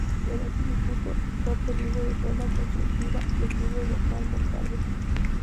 En este instituto fue absorbiendo de forma constructiva los libros de Juan Montalvo.